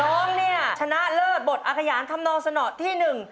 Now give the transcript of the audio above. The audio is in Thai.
น้องเนี่ยชนะเลิศบทอาขยานธรรมนองสนอดที่หนึ่ง